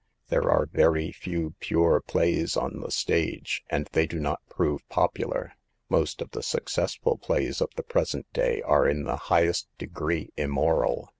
There are very few pure plays on the stage, and they do not prove popular. Most of the successful plays of the present day are in the highest degree immoral.